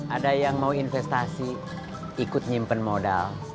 ada yang mau investasi ikut nyimpen modal